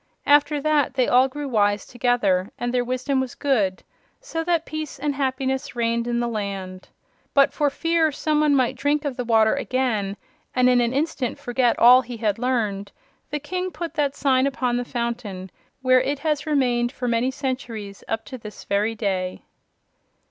After that, they all grew wise together, and their wisdom was good, so that peace and happiness reigned in the land. But for fear some one might drink of the water again, and in an instant forget all he had learned, the King put that sign upon the fountain, where it has remained for many centuries up to this very day."